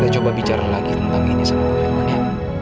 ayo kita coba bicara lagi tentang ini sama pak firman ya